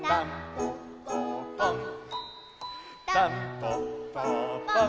「たんぽっぽぽん！